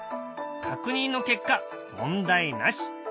確認の結果問題なし。